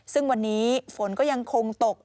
ซึ่งวันนี้ฝนก็ยังคงตก